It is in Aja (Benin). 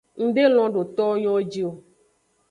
Ng de lon do towo nyo ji o.